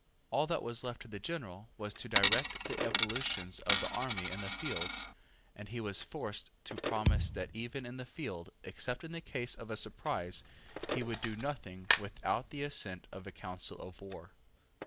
All that was left to the general was to direct the evolutions of the army in the field, and he was forced to promise that even in the field, except in the case of a surprise, he would do nothing without the assent of a council of war.